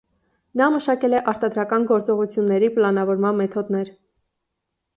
Նա մշակել է արտադրական գործողույթունների պլանավորման մեթոդներ։